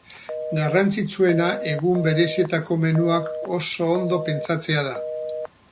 Garrantzitsuena egun berezietako menuak oso ondo pentsatzea da.